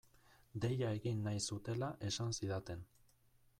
Deia egin nahi zutela esan zidaten.